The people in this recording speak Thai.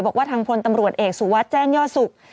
บอกว่าทางพลตำรวจเอกสุวัสดิ์แจ้งยอดศุกร์